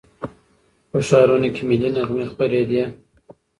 په ښارونو کې ملي نغمې خپرېدې.